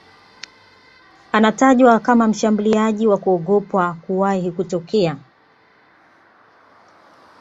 Anatajwa kama mshambuliaji wa kuogopwa kuwahi kutokea